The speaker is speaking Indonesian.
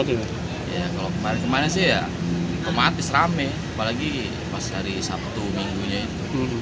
kalau kemarin kemarin sih ya otomatis rame apalagi pas hari sabtu minggunya itu